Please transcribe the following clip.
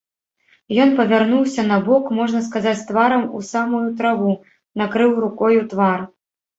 Ён павярнуўся на бок, можна сказаць, тварам у самую траву, накрыў рукою твар.